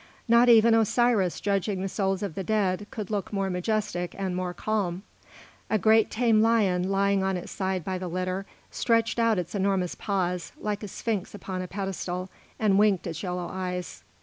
Not even Osiris judging the souls of the dead could look more majestic and more calm. A great tame lion, lying by his side upon the litter, stretched out its enormous paws like a sphinx upon a pedestal, and winked its yellow eyes.